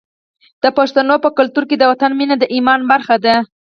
د پښتنو په کلتور کې د وطن مینه د ایمان برخه ده.